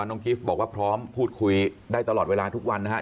กิฟต์บอกว่าพร้อมพูดคุยได้ตลอดเวลาทุกวันนะครับ